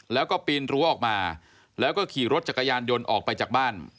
แล้วก็ปีนรั้วออกมาแล้วก็ขี่รถจักรยานยนต์ออกไปจากบ้าน